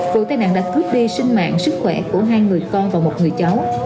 vụ tai nạn đã cướp đi sinh mạng sức khỏe của hai người con và một người cháu